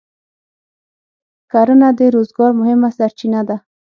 کرنه د روزګار مهمه سرچینه ده.